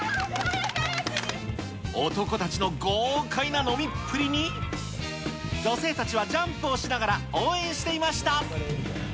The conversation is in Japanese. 男たちの豪快な飲みっぷりに、女性たちはジャンプをしながら応援していました。